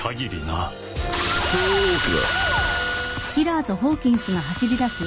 そうか。